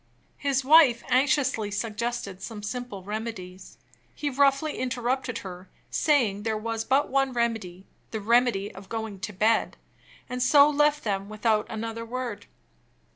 His wife anxiously suggested some simple remedies. He roughly interrupted her, saying there was but one remedy, the remedy of going to bed; and so left them without another word.